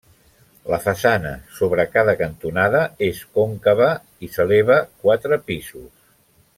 La façana sobre cada cantonada és còncava, i s'eleva quatre pisos.